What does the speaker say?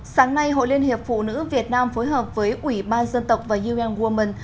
sáng nay hội liên hiệp phụ nữ việt nam phối hợp với ủy ban dân tộc và un women